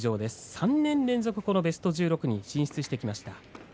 ３年連続このベスト１６に進出してきました。